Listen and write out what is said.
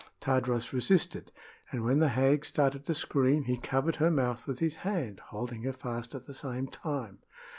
Tadros resisted, and when the hag started to scream he covered her mouth with his hand, holding her fast at the same time.